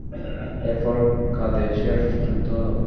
এরপর কাদেসিয়ার যুদ্ধ হল।